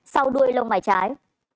sau đuôi lông mày trái